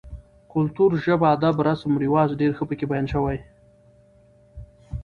کلتور, ژبه ، اداب، رسم رواج ډېر ښه پکې بيان شوي